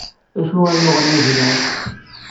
D acu ay yuɣen aydi-nwent?